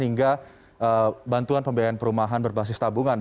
hingga bantuan pembiayaan perumahan berbasis tabungan